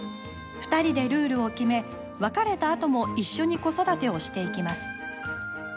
２人でルールを決め別れたあとも一緒に子育てをしていきます。